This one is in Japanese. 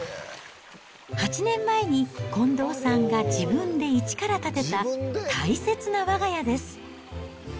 ８年前に、近藤さんが自分で一から建てた、大切なわが家です。